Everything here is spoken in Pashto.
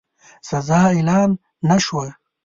سزا اعلان نه شوه.